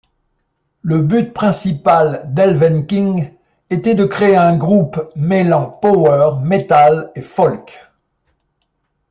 Le but principal d'Elvenking était de créer un groupe mêlant power metal et folk.